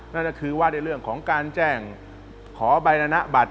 นั่นก็คือว่าในเรื่องของการแจ้งขอใบรณบัตร